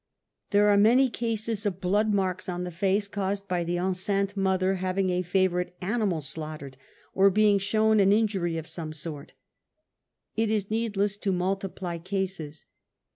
There are many cases of blood marks on the face, caused by the enceinte mother having a favorite ani mal slaughtered, or being shown an injury of some sort. It is needless to multiply cases.